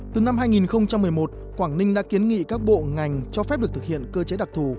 từ năm hai nghìn một mươi một quảng ninh đã kiến nghị các bộ ngành cho phép được thực hiện cơ chế đặc thù